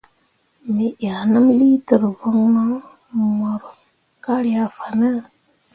Me ʼyah nəm liiter voŋno mok ka ryah fanne.